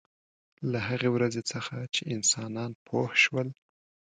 له هغې ورځې څخه چې انسانان پوه شول.